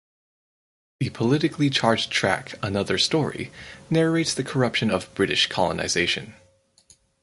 The politically charged track "Another Story" narrates the corruption of British colonization.